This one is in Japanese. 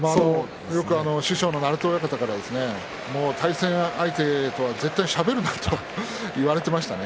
師匠の鳴戸親方から対戦相手とは絶対しゃべるなと言われていましたね。